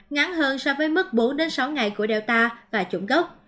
ngắn hơn so với mức bốn sáu ngày của delta và trung cốc